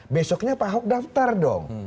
besoknya pak ahok daftar dong